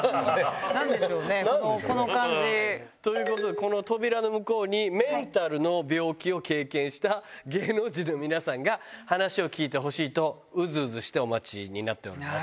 なんでしょうね、この感じ。ということで、この扉の向こうに、メンタルの病気を経験した芸能人の皆さんが話を聞いてほしいと、うずうずしてお待ちになっております。